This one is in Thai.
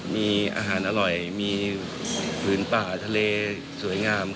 มีอาหารอร่อยมีผืนป่าทะเลสวยงาม